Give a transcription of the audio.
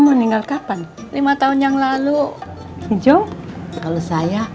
menerima human menulis